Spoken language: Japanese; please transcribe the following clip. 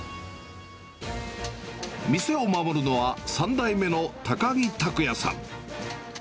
店を守るのは、３代目の高木卓哉さん。